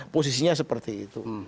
posisinya seperti itu